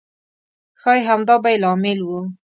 ښایي همدا به یې لامل و.